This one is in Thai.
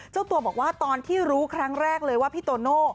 เจ้าตัวบอกว่าตอนที่รู้ครั้งแรกเลยว่าพี่โตโน่